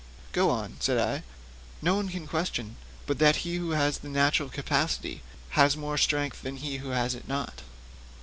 'Go on,' said I; 'no one can question but that he who has the natural capacity has more strength than he who has it not.'